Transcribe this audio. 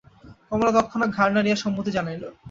কমলা তৎক্ষণাৎ ঘাড় নাড়িয়া সম্মতি জানাইল।